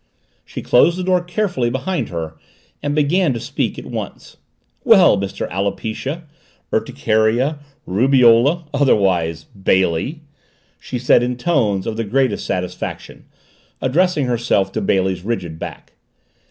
She closed the door carefully behind her and began to speak at once. "Well, Mr. Alopecia Urticaria Rubeola otherwise BAILEY!" she said in tones of the greatest satisfaction, addressing herself to Bailey's rigid back.